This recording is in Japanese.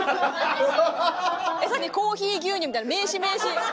さっき「コーヒー牛乳」みたいな名詞名詞。